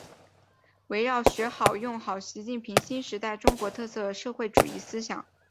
围绕学好、用好习近平新时代中国特色社会主义思想